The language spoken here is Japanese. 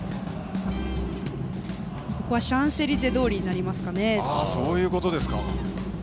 ここはシャンゼリゼ通りになりますかね。